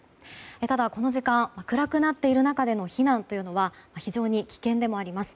ただ、この時間暗くなっている中での避難というのは非常に危険でもあります。